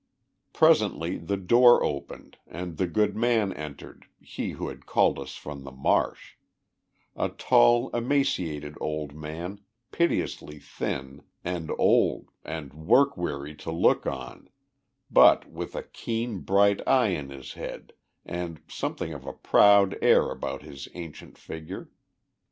Presently the door opened and the good man entered, he who had called to us from the marsh a tall, emaciated old man, piteously thin, and old, and work weary to look on, but with a keen, bright eye in his head, and something of a proud air about his ancient figure.